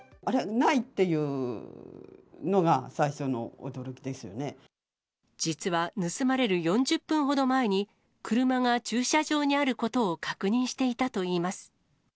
ないっていうのが、実は盗まれる４０分ほど前に、車が駐車場にあることを確認していたといいます。